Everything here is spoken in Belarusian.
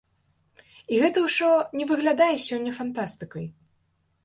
І гэта ўжо не выглядае сёння фантастыкай.